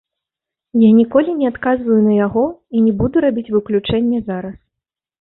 Я ніколі не адказваю на яго і не буду рабіць выключэнне зараз.